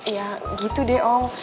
ya gitu deh om